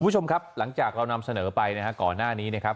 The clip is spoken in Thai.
คุณผู้ชมครับหลังจากเรานำเสนอไปนะฮะก่อนหน้านี้นะครับ